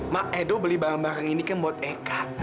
mak edo beli barang barang ini kan buat eka